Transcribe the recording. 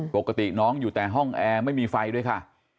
ปกติน้องอยู่แต่ห้องแอร์ไม่มีไฟด้วยค่ะ